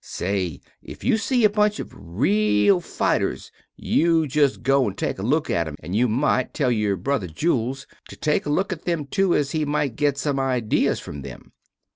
Say, if you want to see a bunch of rele fiters you just go take a look at them, and you mite tell your brother Jules to take a look at them two as he might get some idees from them.